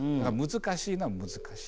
難しいのは難しい。